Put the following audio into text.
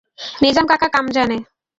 নেজাম কাকা কাম জানে।